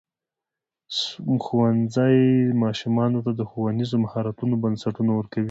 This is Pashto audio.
ښوونځی ماشومانو ته د ښوونیزو مهارتونو بنسټونه ورکوي.